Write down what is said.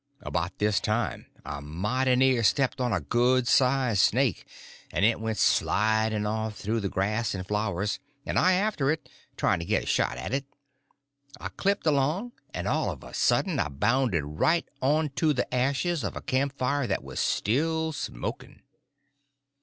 About this time I mighty near stepped on a good sized snake, and it went sliding off through the grass and flowers, and I after it, trying to get a shot at it. I clipped along, and all of a sudden I bounded right on to the ashes of a camp fire that was still smoking.